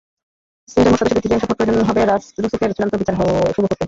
সিনেটের মোট সদস্যের দুই-তৃতীয়াংশের ভোট প্রয়োজন হবে রুসেফের চূড়ান্ত বিচার শুরু করতে।